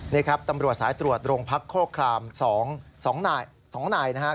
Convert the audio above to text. นี่ครับตำรวจสายตรวจโรงพักโครคราม๒นายนะครับ